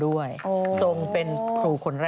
สวัสดีค่ะ